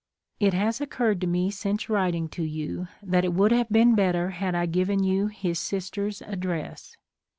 It has occurred to me since writing to you that it would have been better had I given you his sister's address.